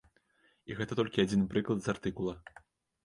І гэта толькі адзін прыклад з артыкула.